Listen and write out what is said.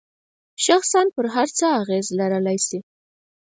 شخصاً پر هر څه اغیز لرلای شي.